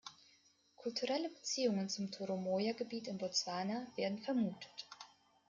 Kulturelle Beziehungen zum Toromoja-Gebiet in Botswana werden vermutet.